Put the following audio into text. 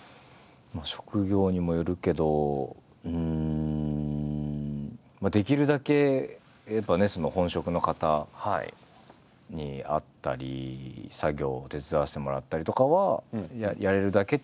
職業にもよるけどうんできるだけやっぱね本職の方に会ったり作業を手伝わせてもらったりとかはやれるだけやるという感じですかね